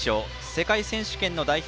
世界選手権の代表